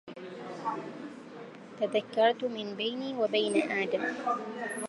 تذكرت من بيني ومن بين أدم